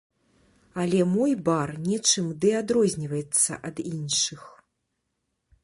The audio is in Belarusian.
Але мой бар нечым ды адрозніваецца ад іншых.